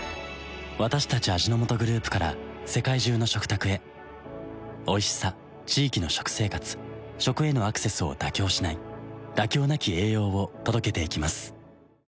私たち味の素グループから世界中の食卓へおいしさ地域の食生活食へのアクセスを妥協しない「妥協なき栄養」を届けていきます